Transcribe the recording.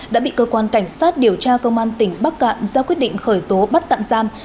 đã bị cơ quan cảnh sát điều tra công an tỉnh bắc cạn do quyết định khởi tố bắt tạm giam